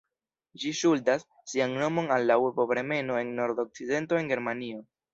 Ĝi ŝuldas sian nomon al la urbo Bremeno en nordokcidento de Germanio.